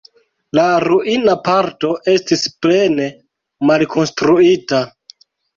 La ruina parto estis plene malkonstruita.